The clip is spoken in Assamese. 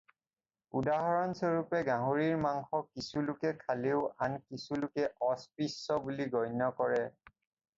উদাহৰণ স্বৰূপে গাহৰিৰ মাংস কিছুলোকে খালেও আন কিছু লোকে অস্পৃশ্য বুলি গণ্য কৰে।